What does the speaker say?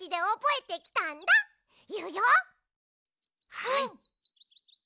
はい。